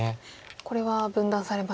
これは分断されましたか。